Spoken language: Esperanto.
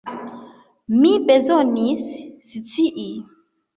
Mi bezonis scii!